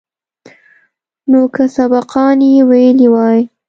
نو که سبقان يې ويلي واى.